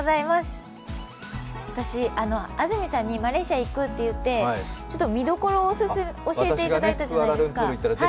私、安住さんにマレーシアに行くって言って見どころを教えていただいたじゃないですか。